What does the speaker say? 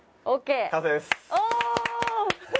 お！